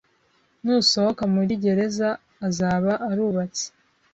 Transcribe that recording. Nusohoka muri gereza, azaba arubatse